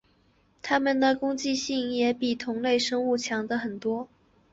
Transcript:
它们的攻击性也比其他同类生物强得多。